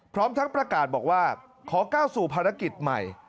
พร้อมทั้งประกาศบอกว่าขอก้าวสู่ภารกิจใหม่